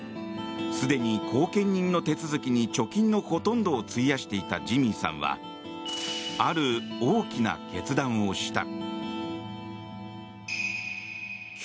すでに後見人の手続きに貯金のほとんどを費やしていたジミーさんはある大きな決断をした。